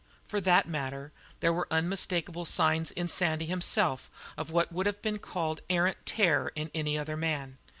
For that matter, there were unmistakable signs in Sandy himself of what would have been called arrant terror in any other man.